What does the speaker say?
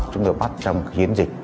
chúng tôi bắt trong khiến dịch